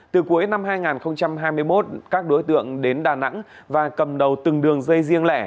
từ cuối năm hai nghìn hai mươi một các đối tượng đến đà nẵng và cầm đầu từng đường dây riêng lẻ